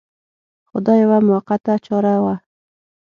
خو دا یوه موقته چاره وه.